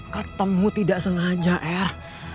ketemu tidak sengaja r